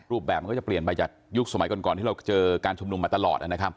รูปแบบมันก็จะเปลี่ยนไปจากยุคสมัยก่อนที่เราเจอการชุมนุมมาตลอดนะครับ